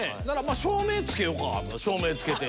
照明つけようかって照明つけて。